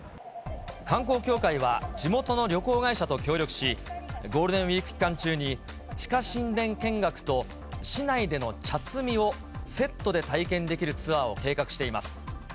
観光協会は、地元の旅行会社と協力し、ゴールデンウィーク期間中に、地下神殿見学と市内での茶摘みをセットで体験できるツアーを計画しています。